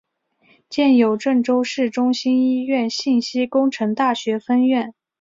建有郑州市中心医院信息工程大学分院。